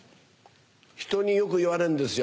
ひとによく言われんですよ